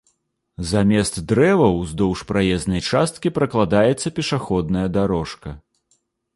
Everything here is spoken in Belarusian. Замест дрэваў ўздоўж праезнай часткі пракладаецца пешаходная дарожка.